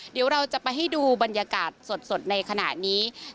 เดี๋ยวเราจะไปให้ดูบรรยากาศสดในขณะนี้